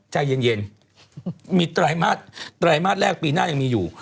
ใจเย็นมีไตรมาสไตรมาสแรกปีหน้ายังมีอยู่